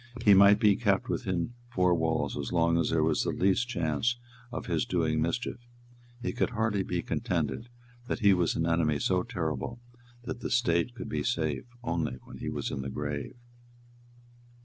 He might be kept within four walls as long as there was the least chance of his doing mischief. It could hardly be contended that he was an enemy so terrible that the State could be safe only when he was in the grave.